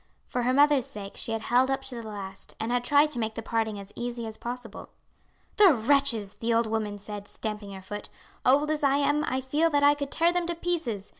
For her mother's sake she had held up to the last, and had tried to make the parting as easy as possible. "The wretches!" the old woman said, stamping her foot. "Old as I am I feel that I could tear them to pieces.